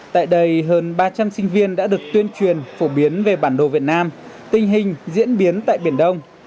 tại đây hơn ba trăm linh sinh viên đã được tuyên truyền phổ biến về bản đồ việt nam tình hình diễn biến tại biển đông